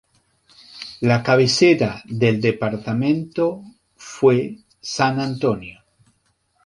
La cabecera del departamento fue San Antonio.